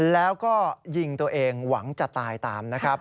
แล้วก็ยิงตัวเองหวังจะตายตามนะครับ